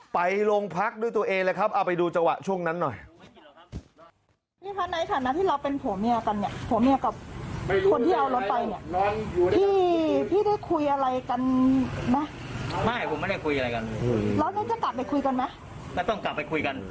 ไปโรงพักด้วยตัวเองเลยครับเอาไปดูจังหวะช่วงนั้นหน่อย